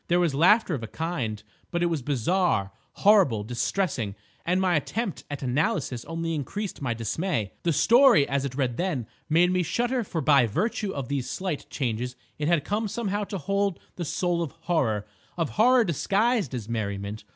There was laughter of a kind, but it was bizarre, horrible, distressing; and my attempt at analysis only increased my dismay. The story, as it read then, made me shudder, for by virtue of these slight changes it had come somehow to hold the soul of horror, of horror disguised as merriment.